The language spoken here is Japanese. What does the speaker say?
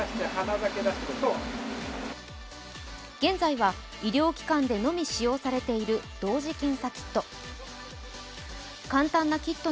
現在は、医療機関でのみ使用されている同時検査キット。